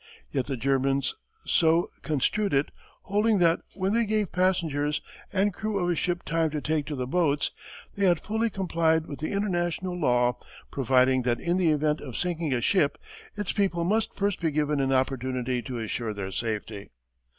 Yet the Germans so construed it, holding that when they gave passengers and crew of a ship time to take to the boats, they had fully complied with the international law providing that in the event of sinking a ship its people must first be given an opportunity to assure their safety.